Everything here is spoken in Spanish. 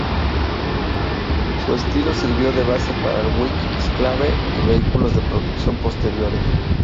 Su estilo sirvió de base para el Buick Enclave y vehículos de producción posteriores.